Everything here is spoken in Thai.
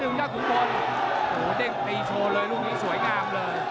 แล้วประวัง๒นิดนึงยักษ์ขุมพลโหเด้งตีโชว์เลยลูกนี้สวยงามเลย